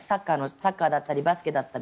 サッカーだったりバスケだったり。